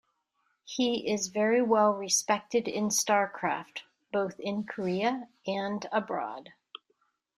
He is very well respected in StarCraft both in Korea and abroad.